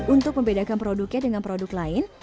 untuk membedakan produknya dengan produk lain